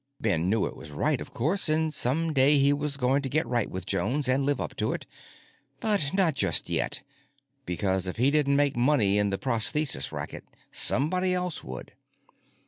Ben knew it was right, of course, and some day he was going to get right with Jones and live up to it, but not just yet, because if he didn't make money in the prosthesis racket somebody else would.